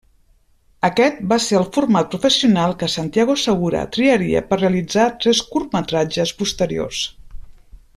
Aquest va ser el format professional que Santiago Segura triaria per realitzar tres curtmetratges posteriors.